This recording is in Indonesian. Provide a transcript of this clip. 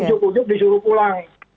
ujuk ujuk disuruh pulang